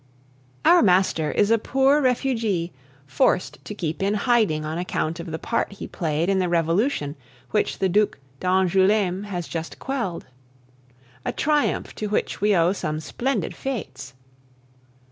Our master is a poor refugee, forced to keep in hiding on account of the part he played in the revolution which the Duc d'Angouleme has just quelled a triumph to which we owe some splendid fetes.